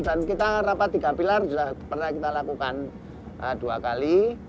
dan kita rapat tiga pilar sudah pernah kita lakukan dua kali